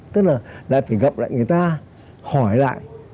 tức là đã phải gặp lại người ta hỏi lại